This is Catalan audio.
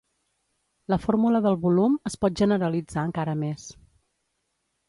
La fórmula del volum es pot generalitzar encara més.